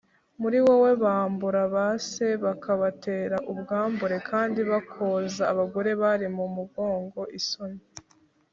Muri wowe bambura ba se bakabatera ubwambure, kandi bakoza abagore bari mu mugongo isoni